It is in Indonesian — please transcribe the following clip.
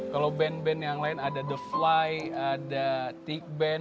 kalau band band yang lain ada the fly ada tig band